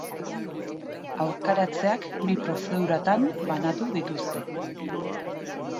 Aurkaratzeak bi prozeduratan banatu dituzte.